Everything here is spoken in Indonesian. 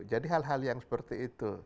jadi hal hal yang seperti itu